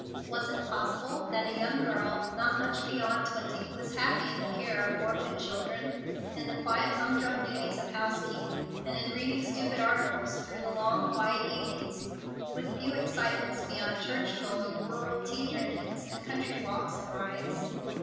Was it possible that a young girl, not much beyond twenty, was happy in the care of orphan children, in the quiet humdrum duties of housekeeping, and in reading stupid articles through the long, quiet evenings, with few excitements beyond church going, rural tea drinkings, and country walks and rides?